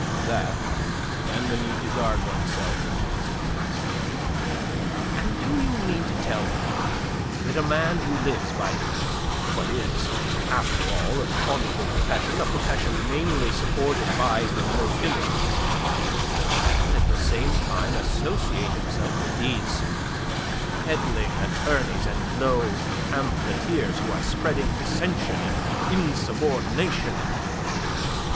"That and the need to guard one's self in these times." "And do you mean to tell me that a man who lives by what is after all an honourable profession, a profession mainly supported by the nobility, can at the same time associate himself with these peddling attorneys and low pamphleteers who are spreading dissension and insubordination?"